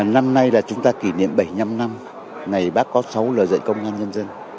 năm nay là chúng ta kỷ niệm bảy mươi năm năm ngày bác có sáu lời dạy công an nhân dân